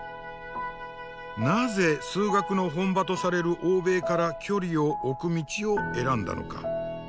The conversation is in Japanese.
なぜ数学の本場とされる欧米から距離を置く道を選んだのか。